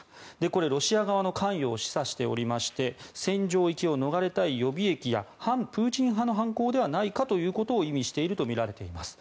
これ、ロシア側の関与を示唆しておりまして戦場行きを逃れたい予備役や反プーチン派の犯行ではないかという見方を意味しているとみられています。